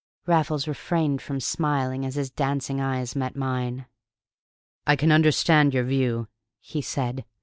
Raffles refrained from smiling as his dancing eye met mine. "I can understand your view," he said.